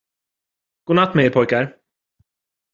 Godnatt med er pojkar!